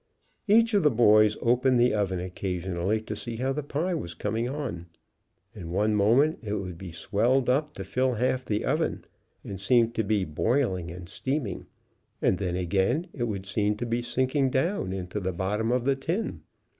Each of the boys opened the oven occasionally to see how the pie was coming on, and one moment it would be swelled up to fill half the oven, and seemed to be boiling and steaming, and then again it would seem to be sink ing down into the bottom of the tin..